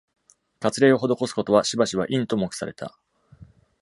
割礼を施すことは、しばしばインと目された。